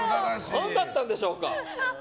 何だったんでしょうか。